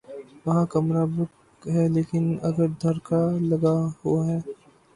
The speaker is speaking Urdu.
وہاں کمرہ بک ہے لیکن اگر دھڑکا لگا ہوا ہے۔